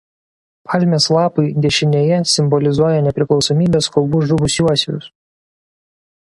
Palmės lapai dešinėje simbolizuoja nepriklausomybės kovų žuvusiuosius.